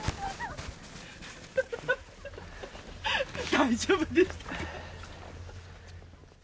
大丈夫でしたか？